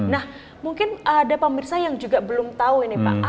nah mungkin ada pemirsa yang juga belum tahu ini pak